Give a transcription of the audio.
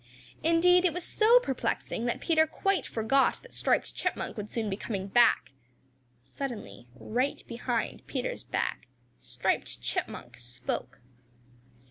Indeed, it was so perplexing that Peter quite forgot that Striped Chipmunk would soon be coming back. Suddenly right behind Peter's back Striped Chipmunk spoke.